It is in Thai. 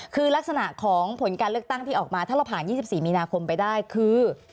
คือลักษณะของผลการเลือกตั้งที่ออกมาถ้าเราผ่าน๒๔มีนาคมไปได้คือ